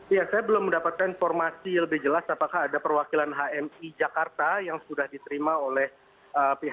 ya saya belum mendapatkan informasi lebih jelas apakah ada perwakilan hmi jakarta yang sudah diterima oleh pihak